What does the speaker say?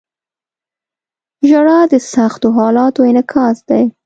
• ژړا د سختو حالاتو انعکاس دی.